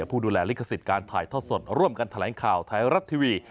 ผู้ดูแลลิขสิทธิ์การถ่ายทอดสดร่วมกันแถลงข่าวไทยรัฐทีวี